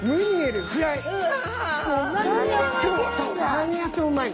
何やってもうまい！